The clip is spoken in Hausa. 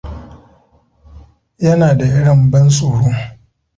Yana da irin ban tsoro.